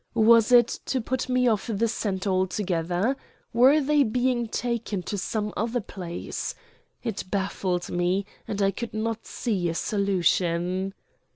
Was it to put me off the scent altogether? Were they being taken to some other place? It baffled me, and I could not see a solution.